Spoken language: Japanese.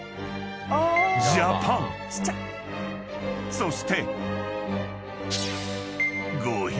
［そして］